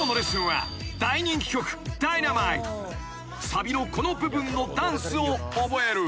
［サビのこの部分のダンスを覚える］